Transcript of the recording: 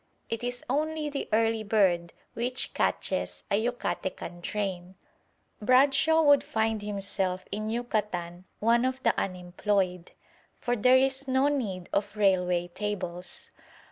It is only the early bird which catches a Yucatecan train. Bradshaw would find himself in Yucatan one of the unemployed, for there is no need of railway tables.